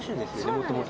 もともと。